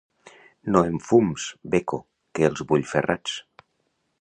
No em fums, beco, que els vull ferrats.